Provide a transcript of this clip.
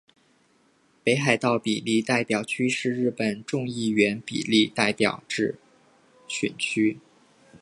北海道比例代表区是日本众议院比例代表制选区。